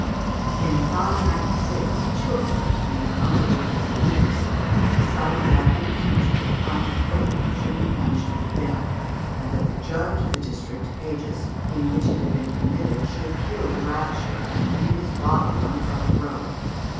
In 596, Childebert, in concert with his leudes, decided that in future the crime of rape should be punished with death, and that the judge of the district (pagus) in which it had been committed should kill the ravisher, and leave his body on the public road.